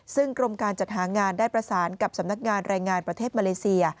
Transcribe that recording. ซึ่งกรมการจัดหางานได้ประสานกับสำนักงานรายงานประเทศมาเลเซีย